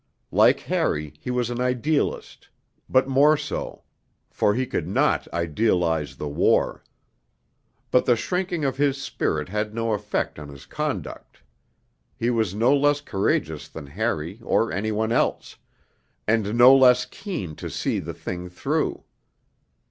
Like Harry, he was an idealist but more so; for he could not idealize the war. But the shrinking of his spirit had no effect on his conduct: he was no less courageous than Harry or any one else, and no less keen to see the thing through.